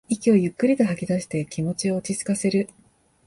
息をゆっくりと吐きだして気持ちを落ちつかせる